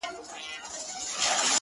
دا خو ددې لپاره؛